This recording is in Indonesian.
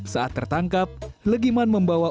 saat tertangkap legiman membawa